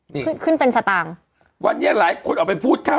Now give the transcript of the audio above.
นี่ขึ้นขึ้นเป็นสตางค์วันนี้หลายคนออกไปพูดเข้า